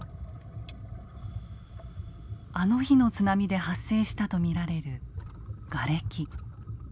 あの日の津波で発生したと見られるガレキ。